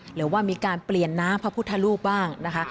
หรือว่ามีการเปลี่ยนน้ำพระพุทธรูปบ้างนะคะ